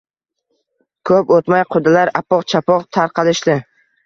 Koʼp oʼtmay qudalar apoq-chapoq tarqalishdi.